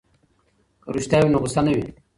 که رښتیا وي نو غوسه نه وي.